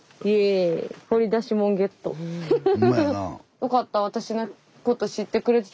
よかった。